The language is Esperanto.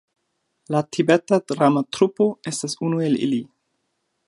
La Tibeta Drama Trupo estas unu el ili.